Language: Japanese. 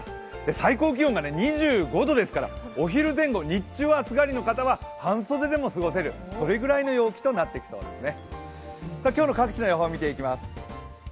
最高気温が２５度ですから、お昼前後、日中は暑がりの方は、半袖でも過ごせるくらいの陽気となってきそうですね。